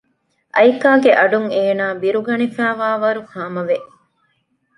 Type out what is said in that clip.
އައިކާގެ އަޑުން އޭނާ ބިރުގަނެފައިވާވަރު ހާމަވެ